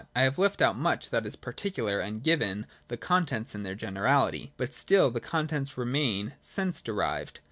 I have left out much that is particular and given the contents in their generality : but still the contents remain sense derived.'